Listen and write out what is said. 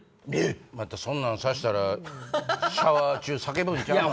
またそんなんさせたらシャワー中叫ぶんちゃうの？